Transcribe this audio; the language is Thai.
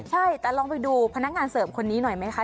ใช่แต่ลองไปดูพนักงานเสริมคนนี้หน่อยไหมคะ